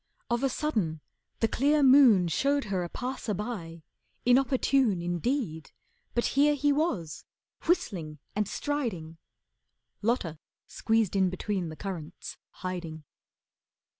Of a sudden, the clear moon Showed her a passer by, inopportune Indeed, but here he was, whistling and striding. Lotta squeezed in between the currants, hiding.